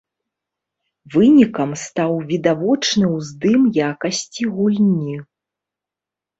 Вынікам стаў відавочны ўздым якасці гульні.